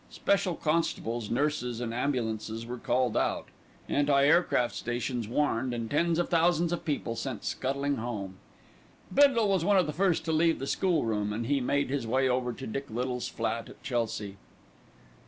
Special constables, nurses and ambulances were called out, anti aircraft stations warned, and tens of thousands of people sent scuttling home. Bindle was one of the first to leave the School room, and he made his way over to Dick Little's flat at Chelsea.